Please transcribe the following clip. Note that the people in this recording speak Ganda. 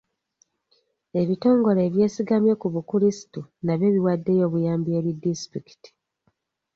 Ebitongole eby'esigamye ku bukulisitu nabyo biwaddeyo obuyambi eri disitulikiti.